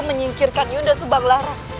menyingkirkan yudha subang lara